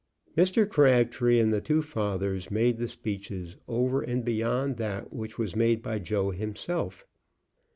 Mr. Crabtree and the two fathers made the speeches, over and beyond that which was made by Joe himself.